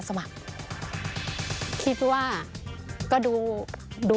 สวัสดีค่ะสวัสดีค่ะ